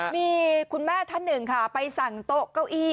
มีคุณแม่ท่านหนึ่งค่ะไปสั่งโต๊ะเก้าอี้